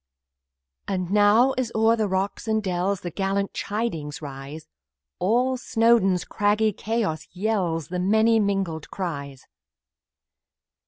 And now, as over rocks and dells, The gallant chidings rise, All Snowdon's craggy chaos yells With many mingled cries.